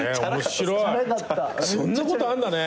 そんなことあんだね！